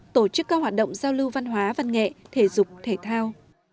tổ chức các hoạt động giao lưu văn hóa văn nghệ thể dục thể thao